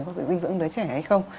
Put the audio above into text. có thể dinh dưỡng đứa trẻ hay không